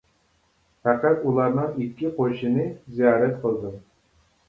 پەقەت ئۇلارنىڭ ئىككى قوشىنى زىيارەت قىلدىم.